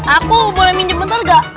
aku boleh minjem bentar gak